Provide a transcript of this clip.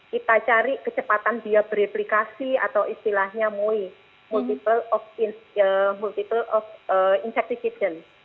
kita cari kecepatan dia bereplikasi atau istilahnya moi multiple of infected